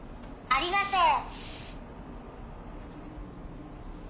ありがとう。